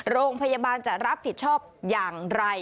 โรงพยาบาลจะรับผิดชอบอย่างไร